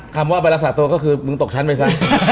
คำว่าไปรักษาตัวก็คือมึงตกชั้นไปซะ